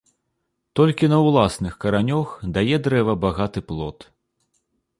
Толькі на ўласных каранёх дае дрэва багаты плод